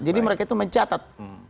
jadi mereka itu mencatat